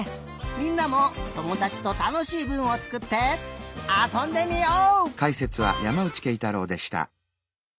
みんなもともだちとたのしいぶんをつくってあそんでみよう！